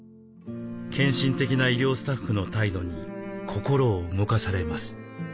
献身的な医療スタッフの態度に心を動かされます。